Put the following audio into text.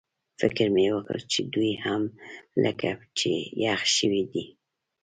فکر مې وکړ چې دوی هم لکه چې یخ شوي دي.